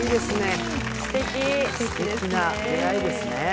すてきですね。